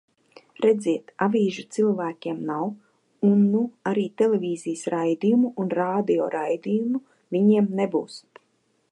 Redziet, avīžu cilvēkiem nav, un nu arī televīzijas raidījumu un radio raidījumu viņiem nebūs.